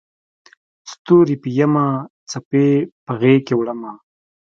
ستوري پېیمه څپې په غیږکې وړمه